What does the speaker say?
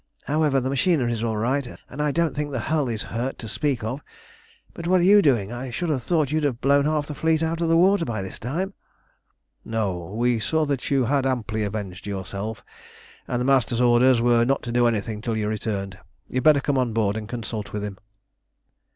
However, the machinery's all right, and I don't think the hull is hurt to speak of. But what are you doing? I should have thought you'd have blown half the fleet out of the water by this time." "No. We saw that you had amply avenged yourself, and the Master's orders were not to do anything till you returned. You'd better come on board and consult with him."